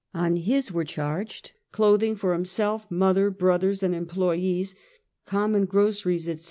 On his were charged clothing for himself, mother, brothers and employes, common groceries, etc.